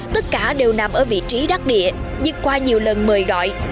tất cả đều nằm ở vị trí đắc địa nhưng qua nhiều lần mời gọi